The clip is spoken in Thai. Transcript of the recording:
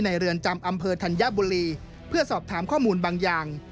เรือนจำอำเภอธัญบุรีเพื่อสอบถามข้อมูลบางอย่าง